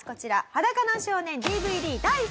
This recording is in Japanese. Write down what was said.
『裸の少年』ＤＶＤ第３弾。